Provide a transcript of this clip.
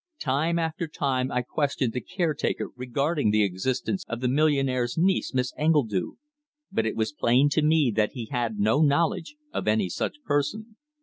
Time after time I questioned the caretaker regarding the existence of the millionaire's niece, Miss Engledue, but it was plain to me that he had no knowledge of any such person.